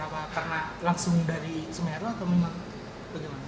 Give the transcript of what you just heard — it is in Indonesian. apa pernah langsung dari semeru atau memang